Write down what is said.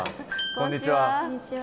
こんにちは。